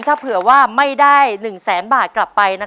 ถ้าเผื่อว่าไม่ได้๑แสนบาทกลับไป